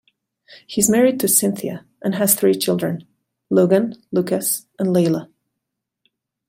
He is married to Cynthia and has three children: Logan, Lucas, and Layla.